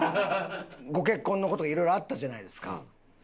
ご結婚の事でいろいろあったじゃないですか。